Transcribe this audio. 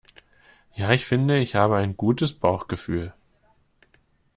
Ja, ich finde, ich habe ein gutes Bauchgefühl.